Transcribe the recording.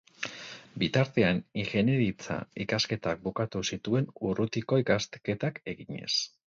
Bitartean, ingeniaritza ikasketak bukatu zituen urrutiko ikasketak eginez.